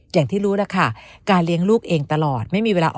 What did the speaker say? อย่างที่รู้ค่ะ